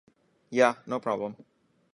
Ya! No problem.